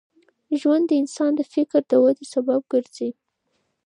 ژوند د انسان د فکر د ودې سبب ګرځي.